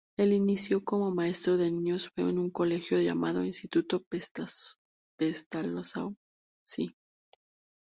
El inicio como maestro de niños fue en un colegio llamado Instituto Pestalozzi.